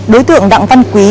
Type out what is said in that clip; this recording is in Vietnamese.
đối tượng đặng văn quý